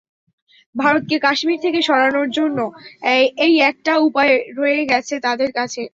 ভারতকে কাশ্মির থেকে সরানো জন্য এই একটা উপায় রয়ে গেছে তাদের কাছে।